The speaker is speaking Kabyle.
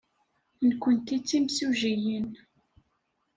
Nekkenti d timsujjiyin.